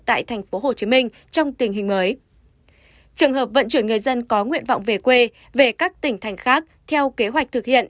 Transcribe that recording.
trường hợp vận chuyển người dân có nguyện vọng về quê về các tỉnh thành phố khác theo kế hoạch thực hiện